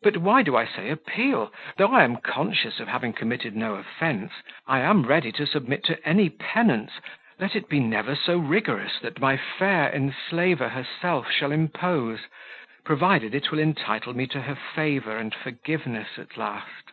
But why do I say appeal? Though I am conscious of having committed no offence, I am ready to submit to any penance, let it be never so rigorous, that my fair enslaver herself shall impose, provided it will entitle me to her favour and forgiveness at last."